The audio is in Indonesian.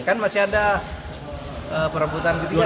kan masih ada peremputan ketiga ya